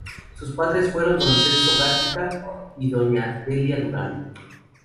Sus padres fueron don Celso Gatica y doña Delia Durán.